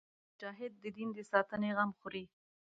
مجاهد د دین د ساتنې غم خوري.